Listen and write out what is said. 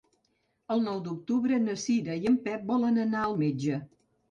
El nou d'octubre na Cira i en Pep volen anar al metge.